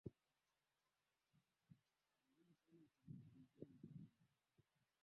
kwa shabaha za kupata watumwa wa kuuzwa Watendaji wakuu